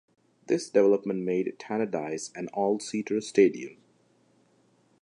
This development made Tannadice an all seater stadium.